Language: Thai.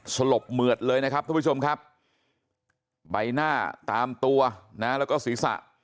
สลบเหมือดเลยนะครับทุกผู้ชมครับใบหน้าตามตัวนะแล้วก็ศีรษะ